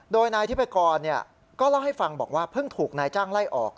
โดยนายทิพกรก็เล่าให้ฟังบอกว่าเพิ่งถูกนายจ้างไล่ออก